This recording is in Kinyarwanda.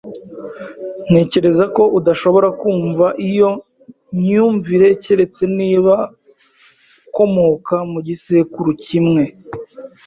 Ntekereza ko udashobora kumva iyo myumvire keretse niba ukomoka mu gisekuru kimwe.